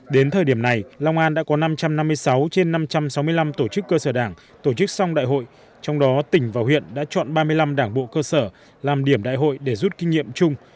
đến thời điểm này long an đã có năm trăm năm mươi sáu trên năm trăm sáu mươi năm tổ chức cơ sở đảng tổ chức song đại hội trong đó tỉnh và huyện đã chọn ba mươi năm đảng bộ cơ sở làm điểm đại hội để rút kinh nghiệm chung